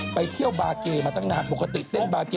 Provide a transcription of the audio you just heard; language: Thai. ไปเที่ยวบาเกมาตั้งนานปกติเต้นบาร์เก